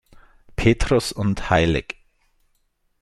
Petrus und hl.